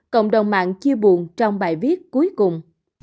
cộng đồng mạng chia buồn trong bài viết cuối cùng